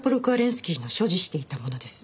スキーの所持していたものです。